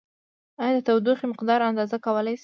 ایا د تودوخې مقدار اندازه کولای شو؟